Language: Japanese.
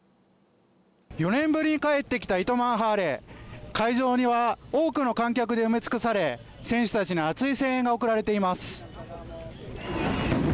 ４年ぶりに帰ってきた糸満ハーレー会場には多くの観客で埋め尽くされ選手たちに熱い声援が送られています。